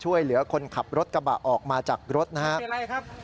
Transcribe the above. ช่วยเหลือคนขับรถกระบะออกมาจากรถนะครับ